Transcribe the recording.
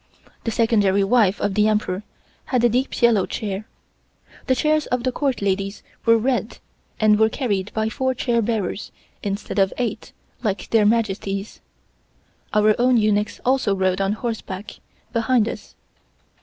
The Secondary wife of the Emperor had a deep yellow chair. The chairs of the Court ladies were red, and were carried by four chair bearers, instead of eight like their Majesties. Our own eunuchs also rode on horseback, behind us.